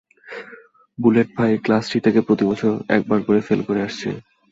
Bullet ভাই class three থেকে প্রতিবছর একবার করে ফেল করে আসছে।